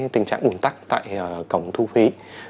tình trạng bùn tắc tại cổng thu phí